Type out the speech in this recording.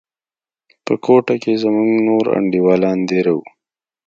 په کوټه کښې زموږ نور انډيوالان دېره وو.